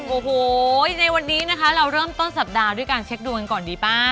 โอ้โหในวันนี้นะคะเราเริ่มต้นสัปดาห์ด้วยการเช็คดวงกันก่อนดีป่ะ